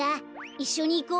いっしょにいこう。